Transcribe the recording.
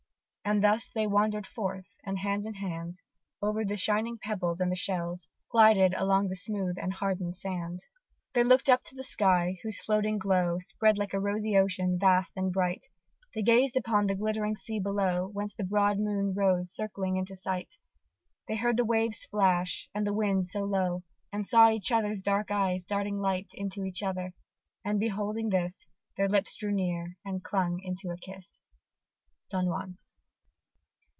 And thus they wander'd forth, and hand in hand, Over the shining pebbles and the shells, Glided along the smooth and harden'd sand.... They look'd up to the sky, whose floating glow Spread like a rosy ocean, vast and bright; They gazed upon the glittering sea below, Whence the broad moon rose circling into sight; They heard the waves splash, and the wind so low, And saw each other's dark eyes darting light Into each other and, beholding this, Their lips drew near, and clung into a kiss. (_Don Juan.